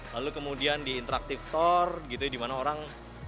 lalu kemudian di interactive tour di mana orang